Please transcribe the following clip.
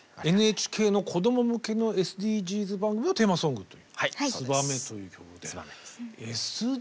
ＮＨＫの子ども向けのＳＤＧｓ番組のテーマソングと「ツバメ」という曲で。